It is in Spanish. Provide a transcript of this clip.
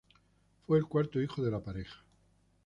Fue el cuarto hijo de la pareja.